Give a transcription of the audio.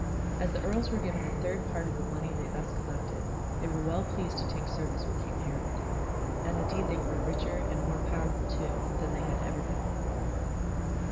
As the earls were given a third part of the money they thus collected, they were well pleased to take service with King Harald. And indeed they grew richer, and more powerful too, than they had ever been before.